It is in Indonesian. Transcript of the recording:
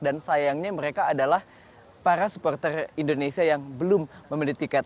dan sayangnya mereka adalah para supporter indonesia yang belum memiliki tiket